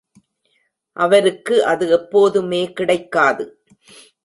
அவருக்கு அது எப்போதுமே கிடைக்காது.